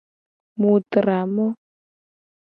Mu tra mo.